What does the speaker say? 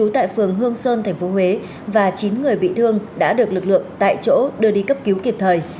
tại phường hương sơn tp huế và chín người bị thương đã được lực lượng tại chỗ đưa đi cấp cứu kịp thời